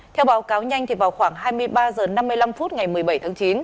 theo báo cáo nhanh vào khoảng hai mươi ba h năm mươi năm phút ngày một mươi bảy tháng chín